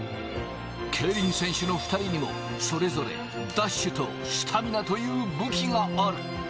競輪選手の２人にもそれぞれダッシュとスタミナという武器がある。